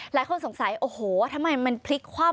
หลายคนสงสัยโอ้โหทำไมมันพลิกคว่ำ